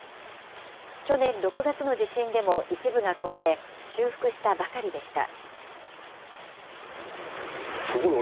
去年６月の地震でも一部が壊れ、修復したばかりでした。